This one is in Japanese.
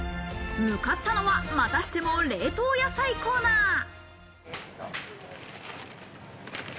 向かったのは、またしても冷凍野菜コーナー。